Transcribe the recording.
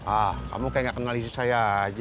ah kamu kayak gak kenal istri saya aja